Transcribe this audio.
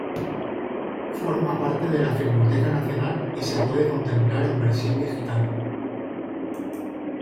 Forma parte de la Filmoteca Nacional y se puede contemplar en versión digital.